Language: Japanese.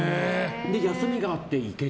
休みがあって、行けて。